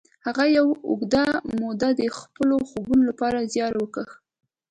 هغه یوه اوږده موده د خپلو خوبونو لپاره زیار وکیښ